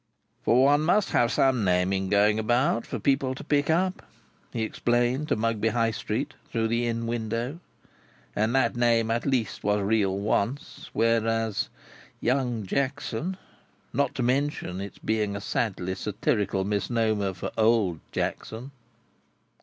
"For one must have some name in going about, for people to pick up," he explained to Mugby High street, through the Inn window, "and that name at least was real once. Whereas, Young Jackson!—Not to mention its being a sadly satirical misnomer for Old Jackson."